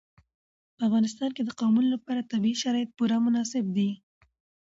په افغانستان کې د قومونه لپاره طبیعي شرایط پوره مناسب دي.